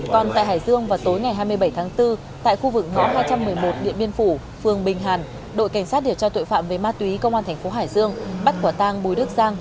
còn tại hải dương vào tối ngày hai mươi bảy tháng bốn tại khu vực ngõ hai trăm một mươi một điện biên phủ phường bình hàn đội cảnh sát điều tra tội phạm về ma túy công an thành phố hải dương bắt quả tang bùi đức giang